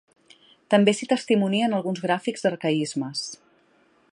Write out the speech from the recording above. També s'hi testimonien alguns gràfics d'arcaismes.